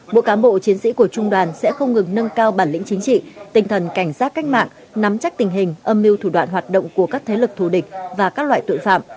mỗi cán bộ chiến sĩ của trung đoàn sẽ không ngừng nâng cao bản lĩnh chính trị tinh thần cảnh giác cách mạng nắm chắc tình hình âm mưu thủ đoạn hoạt động của các thế lực thù địch và các loại tội phạm